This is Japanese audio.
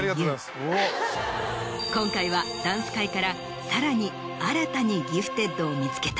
今回はダンス界からさらに新たにギフテッドを見つけた。